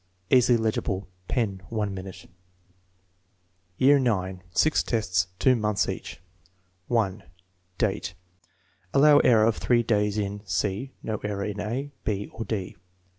Easily legible. Pea. 1 minute.) Year IX. (0 tests, 2 months each.) 1. Date. (Allow error of 3 days in c, no error in a, b, or d.)